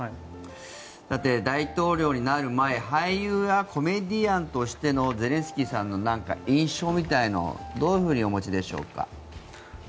大統領になる前俳優やコメディアンとしてのゼレンスキーさんの印象みたいなのはどういうふうにお持ちでしょうか？